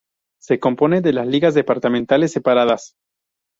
Se compone de ligas departamentales separadas.